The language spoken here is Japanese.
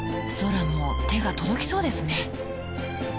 空も手が届きそうですね。